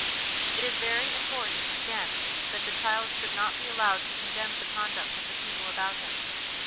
It is very important, again, that the child should not be allowed to condemn the conduct of the people about him.